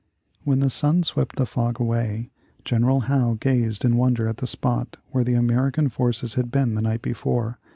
When the sun swept the fog away, General Howe gazed in wonder at the spot where the American forces had been the night before.